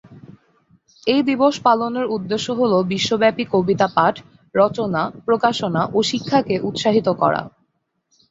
এই দিবস পালনের উদ্দেশ্য হল বিশ্বব্যাপী কবিতা পাঠ, রচনা, প্রকাশনা ও শিক্ষাকে উৎসাহিত করা।